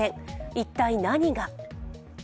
一体何が？